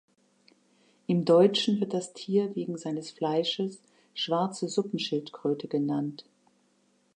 Im Deutschen wird das Tier wegen seines Fleisches „Schwarze Suppenschildkröte“ genannt.